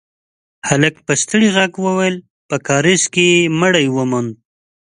هلک په ستړي غږ وويل: په کارېز کې يې مړی وموند.